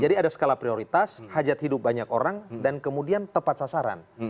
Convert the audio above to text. jadi ada skala prioritas hajat hidup banyak orang dan kemudian tepat sasaran